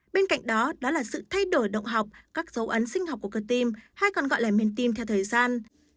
bên cạnh đó là sự thay đổi động học các dấu ấn sinh học của cơ tim hay còn gọi là mềm tim theo thời gian